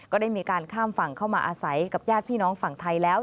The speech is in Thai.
ก็ได้มีการข้ามฝั่งเข้ามาอาศัยกับญาติพี่น้องฝั่งไทยแล้ว